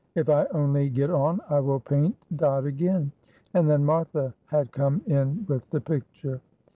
If I only get on, I will paint Dot again;" and then Martha had come in with the picture.